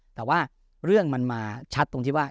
แต่ว่าเรื่องมันมาชัดตรงที่ว่า